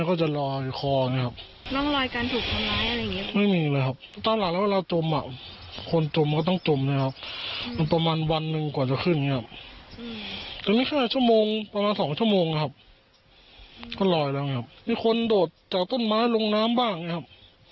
ก็หลอยแล้วไงครับมีคนโดดจากต้นไม้ลงน้ำบ้างไงครับ